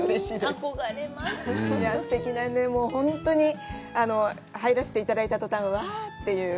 すてきなね、本当に入らせていただいた途端、ウワァという。